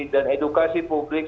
dan edukasi publik